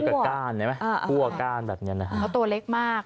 มันสีเรียกกับก้านเพราะตัวเล็กมาก